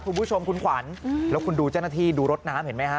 คุณผู้ชมคุณขวัญแล้วคุณดูเจ้าหน้าที่ดูรถน้ำเห็นไหมฮะ